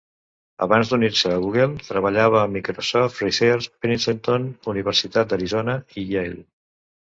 Abans d"unir-se a Google, treballava a Microsoft Research, Princeton, Universitat d"Arizona i Yale.